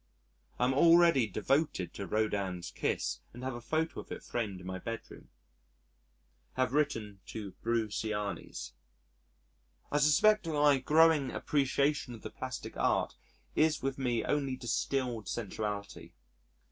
I am already devoted to Rodin's "Kiss" and have a photo of it framed in my bedroom. Have written to Bruciani's. I suspect that my growing appreciation of the plastic art is with me only distilled sensuality.